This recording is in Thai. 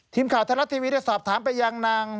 ทีมข่าวทะเลาะทีวีได้สอบถามไปอย่างนาง